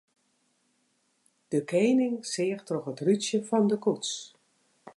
De kening seach troch it rútsje fan de koets.